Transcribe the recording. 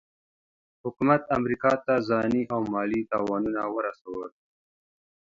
حکومت امریکا ته ځاني او مالي تاوانونه ورسول.